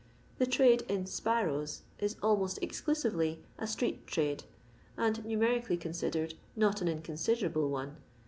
The trade in Sparrow is almost exclusively a street trade and, numerically considered, not an inconsiderable one.